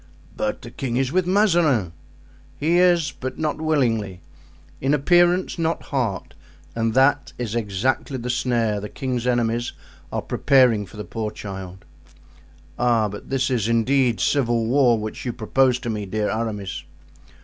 "But the king is with Mazarin." "He is, but not willingly; in appearance, not heart; and that is exactly the snare the king's enemies are preparing for the poor child." "Ah! but this is, indeed, civil war which you propose to me, dear Aramis."